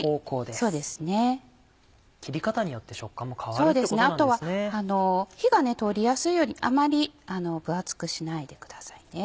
あとは火が通りやすいようにあまり分厚くしないでください。